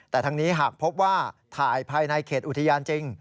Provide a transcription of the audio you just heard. แต่ทั้งนี้หากพบว่าถ่ายภายในเขตอุทยานจริง